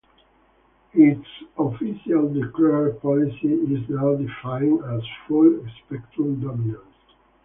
Its official declared policy is now defined as "full spectrum dominance".